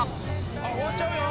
終わっちゃうよ。